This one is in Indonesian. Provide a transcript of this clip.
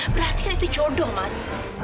berarti kan itu jodoh mas